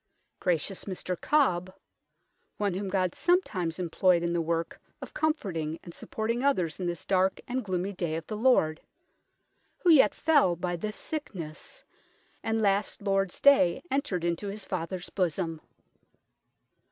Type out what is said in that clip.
Gracious Mr Cobb (one whom God sometimes imployed in the worke of com forteing and supporting others in this darke and gloomy day of the Lorde) who yet fell by this sickness, and last Lord's Day entered into his father's bosomme.